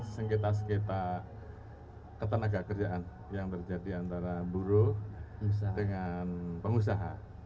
sengkita sengkita ketanaga kerjaan yang terjadi antara buruh dengan pengusaha